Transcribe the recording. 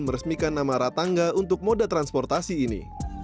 meresmikan nama ratangga untuk moda transportasi ini